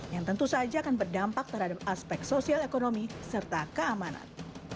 yang tentu saja akan berdampak terhadap aspek sosial ekonomi serta keamanan